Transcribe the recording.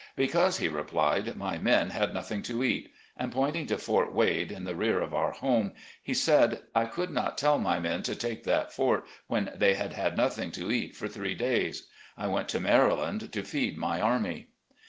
"'Because,' he replied, 'my men had nothing to eat,' and pointing to Fort Wade, in the rear of our home, he said, ' I could not tell my men to take that fort when they had had nothing to eat for three days. I went to Mary land to feed my army.